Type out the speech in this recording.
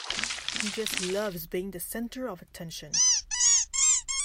He just loves being the center of attention.